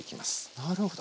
なるほど。